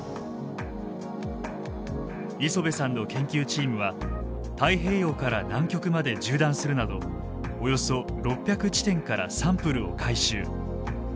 磯辺さんの研究チームは太平洋から南極まで縦断するなどおよそ６００地点からサンプルを回収。